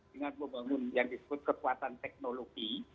dengan membangun yang disebut kekuatan teknologi